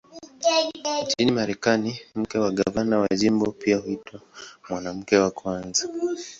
Nchini Marekani, mke wa gavana wa jimbo pia huitwa "Mwanamke wa Kwanza".